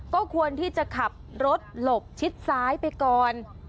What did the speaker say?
ก็ควรที่จะขับรถหลบชิดซ้ายไปก่อน